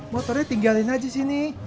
motornya tinggalin aja sini